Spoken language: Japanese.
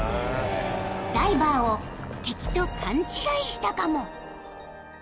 ［ダイバーを敵と勘違いしたかも］